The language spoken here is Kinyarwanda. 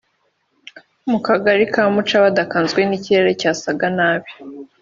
mu kagari ka Mucaca badakanzwe n’ikirere cyasaga nabi